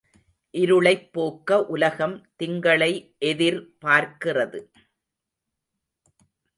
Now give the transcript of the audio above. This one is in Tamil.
இருளைப் போக்க உலகம் திங்களை எதிர்பார்க்கிறது.